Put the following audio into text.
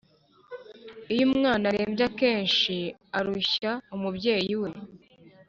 Iyo umwana arembye akenshi arushya umubyeyi we